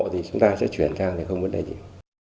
thì chúng ta sẽ chuyển sang hay không vấn đề gì